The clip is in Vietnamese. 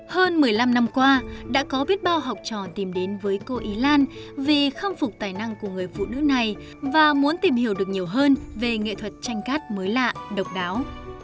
hơn một mươi năm năm qua đã có biết bao học trò tìm đến với cô ý lan vì khâm phục tài năng của người phụ nữ này và muốn tìm hiểu được nhiều hơn về nghệ thuật tranh cát mới lạ độc đáo